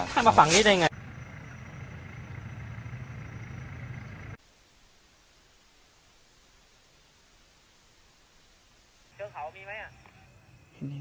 ให้มาฝั่งนี้ได้ไง